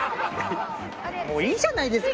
もういいじゃないですか。